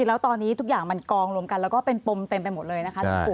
แล้วตอนนี้ทุกอย่างมันกองรวมกันแล้วก็เป็นปมเต็มไปหมดเลยนะคะหลวงปู่